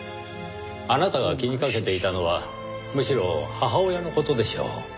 あなたが気にかけていたのはむしろ母親の事でしょう。